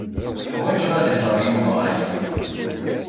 Ḥwajeɣ ad iẓer Yuba aya.